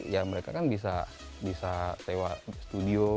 ya mereka kan bisa tewa studio